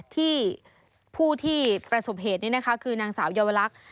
ที่ผู้ที่ประสบเหตุนี้นะคะคือนางสาวเยาวลักษณ์